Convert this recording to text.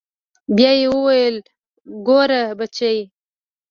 بيا يې وويل ګوره بچى.